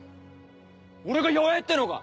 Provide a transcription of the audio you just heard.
俺が弱えぇってのか！